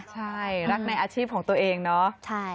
ใช่รักในอาชีพของตัวเองเนาะ